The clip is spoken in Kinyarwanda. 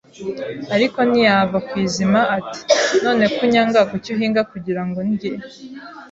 ariko ntiyava ku izima ati: “None ko unyanga kuki uhinga kugira ngo indye